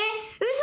嘘⁉